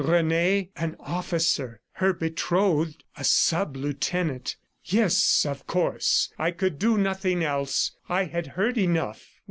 Rene an officer! Her betrothed a sub lieutenant! "Yes, of course! I could do nothing else. ... I had heard enough!"